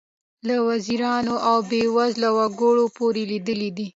له وزیرانو او بې وزلو وګړو پورې لیدلي.